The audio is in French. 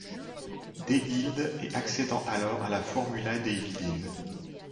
Deild et accédant alors à la Formuladeildin.